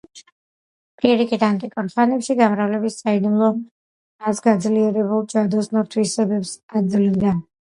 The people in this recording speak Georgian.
პირიქით, ანტიკურ ხანებში გამრავლების საიდუმლო მას გაძლიერებულ, ჯადოსნურ თვისებებს აძლევდა.